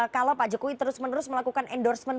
kalau pak jokowi terus menerus melakukan endorsement